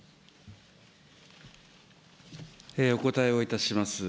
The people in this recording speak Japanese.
お答えをいたします。